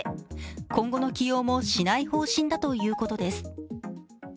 今後の起用もしない方針だということです。